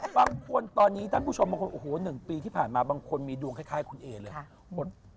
บางคนตอนนี้ท่านผู้ชมบางคนโอ้โห๑ปีที่ผ่านมาบางคนมีดวงคล้ายคุณเอเลย